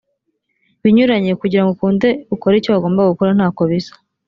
binyuranye kugira ngo ukunde ukore icyo wagombaga gukora nta ko bisa